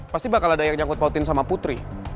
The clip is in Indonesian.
pasti bakal ada yang nyangkut pautin sama putri